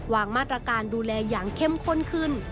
วางมาตรการดูแลอย่างเข้มข้นขึ้น